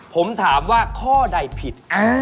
ผมถามว่าข้อใดผิด